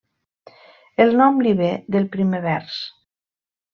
El nom li ve del primer vers.